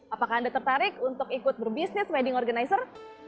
apakah anda tertarik untuk ikut berbisnis wedding organizer